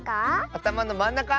あたまのまんなか！